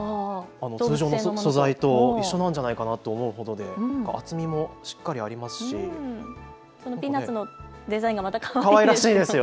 通常の素材と一緒なんじゃないかと思うほどで厚みもしっかりありますしピーナツのデザインがまたかわいらしい。